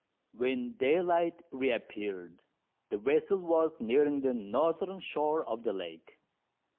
When daylight re appeared, the vessel was nearing the northern shore of the lake.